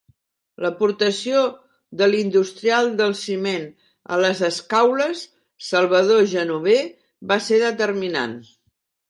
L'aportació de l'industrial del ciment a les Escaules, Salvador Genover va ser determinant.